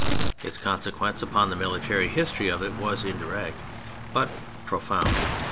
Its consequence upon the military history of it was indirect but pro found.